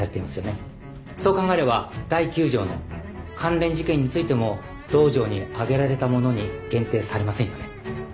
そう考えれば第９条の関連事件についても同条に挙げられたものに限定されませんよね。